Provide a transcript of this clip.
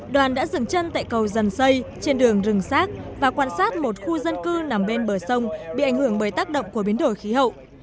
đoàn đã dừng chân tại cầu dần xây trên đường rừng xác và quan sát một khu dân cư nằm bên bờ sông bị ảnh hưởng bởi tác động của biến đổi khí hậu